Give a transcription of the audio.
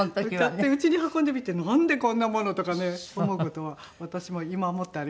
買ってうちに運んでみてなんでこんな物とかね思う事は私も今もってありますね。